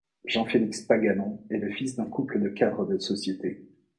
Jean-Félix Paganon est le fils d'un couple de cadres de sociétés.